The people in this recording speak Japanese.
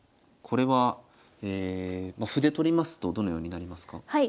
これは歩で取りますとどのようになりますか？